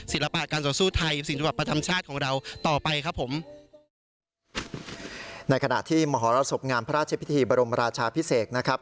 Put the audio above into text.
ปะการต่อสู้ไทยศิลปะธรรมชาติของเราต่อไปครับผมในขณะที่มหรสบงามพระราชพิธีบรมราชาพิเศษนะครับ